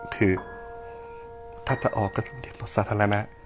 คือถ้าจะออกก็จะมีเด็กลดสาธารณะ